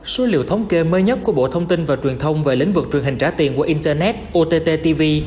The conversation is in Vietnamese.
số liệu thống kê mới nhất của bộ thông tin và truyền thông về lĩnh vực truyền hình trả tiền qua internet ott tv